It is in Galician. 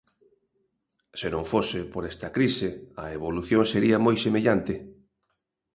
Se non fose por esta crise a evolución sería moi semellante.